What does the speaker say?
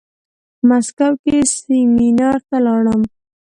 مسکو کې سيمينار ته لاړم.